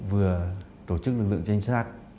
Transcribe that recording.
vừa tổ chức lực lượng tranh sát